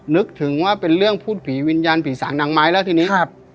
นึกถึงว่าเป็นเรื่องพูดผีวิญญาณผีสางนางไม้แล้วทีนี้ครับ